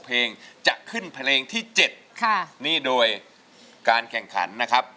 เพลงจะขึ้นเพลงที่๗ค่ะนี่โดยการแข่งขันนะครับ